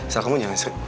soal kamu jangan seri